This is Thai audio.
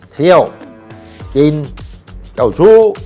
เที่ยวกินเจ้าชู้